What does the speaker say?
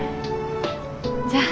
じゃあ。